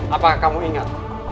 apakah kamu ingat